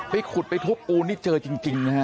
ไปขุดไปทุบปูนนี่เจอจริงนะฮะ